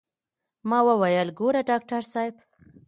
ما وويل ګوره ډاکتر صاحب.